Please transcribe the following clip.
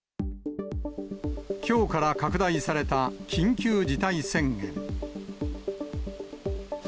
きょうから拡大された緊急事態宣言。